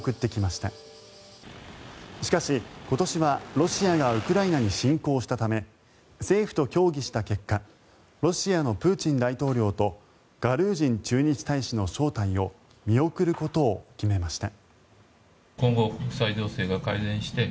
しかし、今年はロシアがウクライナに侵攻したため政府と協議した結果ロシアのプーチン大統領とガルージン駐日大使の招待を見送ることを決めました。